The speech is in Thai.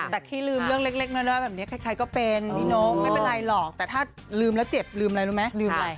แต่ที่ลืมเรื่องเล็กมานี่แบบนี้คล้ายก็เป็นพี่นกไม่เป็นไรหรอกแต่ถ้าลืมแล้วเจ็บลืมอะไรรู้ไหม